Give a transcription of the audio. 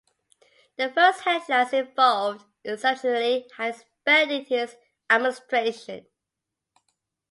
The first headlines involved exceptionally high spending in his administration.